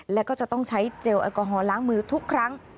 และก็จะต้องใช้เจลอากาศล้างมือทุกครั้ง